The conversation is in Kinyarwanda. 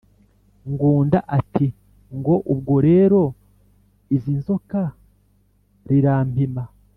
ngunda ati "ngo ubwo rero izi nzoka rirampima.